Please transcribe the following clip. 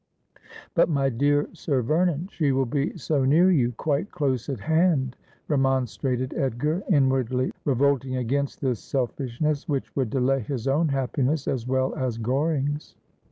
' But, my dear Sir Vernon, she will be so near you — quite close at hand,' remonstrated Edgar, inwardly revolting against this selfishness, which would delay his own happiness as well as Goring's.